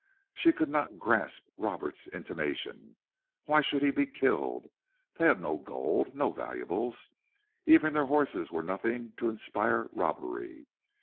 She could not grasp Roberts's intimation. Why should he be killed? They had no gold, no valuables. Even their horses were nothing to inspire robbery.